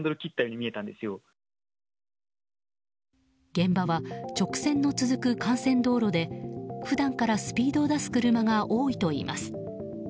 現場は直線の続く幹線道路で普段からスピードを出す車が多いといいます。